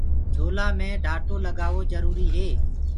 جھولآ مي ڍآٽو لگآوو جروُريٚ هي۔